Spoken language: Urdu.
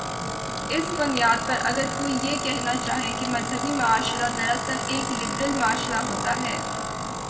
اس بنیاد پر اگر کوئی یہ کہنا چاہے کہ مذہبی معاشرہ دراصل ایک لبرل معاشرہ ہوتا ہے۔